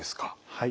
はい。